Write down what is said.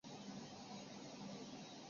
二是派员打入日伪内部搜集情报。